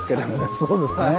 そうですね